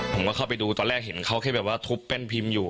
ผมก็เข้าไปดูตอนแรกเห็นเขาแค่แบบว่าทุบแป้นพิมพ์อยู่